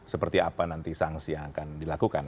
seperti apa nanti sanksi yang akan dilakukan